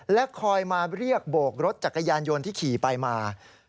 และคอยมาเรียกโบกรถจักรยานยนต์ที่ขี่ไปมา